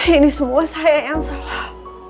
ini semua saya yang salah